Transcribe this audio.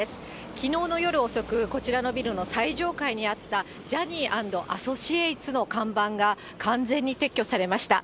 きのうの夜遅く、こちらのビルの最上階にあったジャニーアンドアソシエイツの看板が完全に撤去されました。